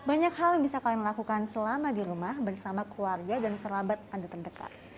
banyak hal yang bisa kalian lakukan selama di rumah bersama keluarga dan kerabat anda terdekat